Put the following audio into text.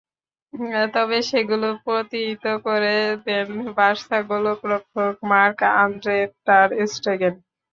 তবে সেগুলো প্রতিহিত করে দেন বার্সা গোলরক্ষক মার্ক আন্দ্রে টার স্টেগেন।